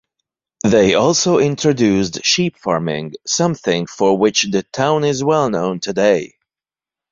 They also introduced sheep farming, something for which the town is well known today.